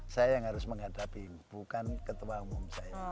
saya yang harus menghadapi bukan ketua umum saya